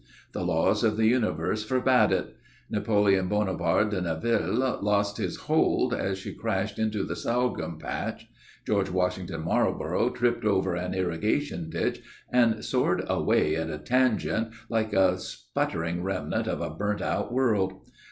The laws of the universe forbade it. Napoleon Bonaparte de Neville lost his hold as she crashed into the sorghum patch. George Washington Marlborough tripped over an irrigation ditch, and soared away at a tangent, like a sputtering remnant of a burnt out world.